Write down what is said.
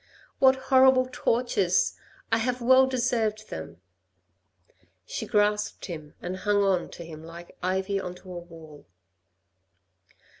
" What horrible tortures ! I have well deserved them." She grasped him and hung on to him like ivy onto a wall.